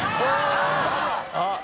あっ！